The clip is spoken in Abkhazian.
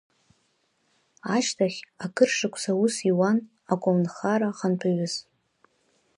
Ашьҭахь, акыр шықәса аус иуан аколнхара ахантәаҩыс.